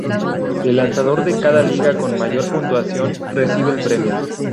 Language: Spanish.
El lanzador de cada liga con mayor puntuación recibe el premio.